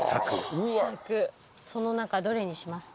その中どれにしますか？